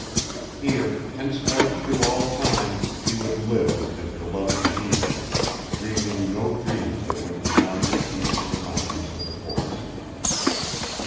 Here, henceforth through all time, he would live with his beloved Jeanne, dreaming no dreams that went beyond the peace of the mountains and the forests.